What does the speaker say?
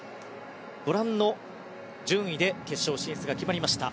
ご覧の順位で決勝進出が決まりました。